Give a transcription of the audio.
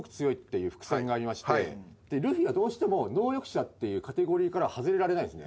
いう伏線がありましてルフィはどうしても能力者っていうカテゴリーからは外れられないんですね。